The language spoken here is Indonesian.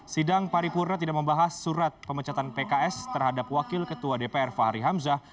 sidang paripurna tidak membahas surat pemecatan pks terhadap wakil ketua dpr fahri hamzah